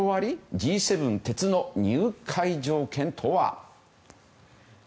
Ｇ７鉄の入会条件とは。